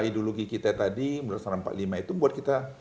ideologi kita tadi menurut saya empat puluh lima itu buat kita